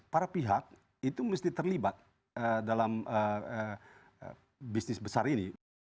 para pihak itu mesti terlibat dalam bisnis besar ini